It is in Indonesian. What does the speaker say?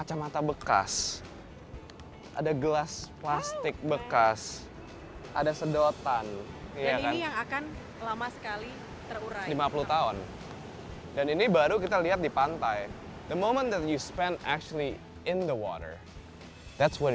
jadi di tahun dua ribu sebelas saya mulai melakukan penelitian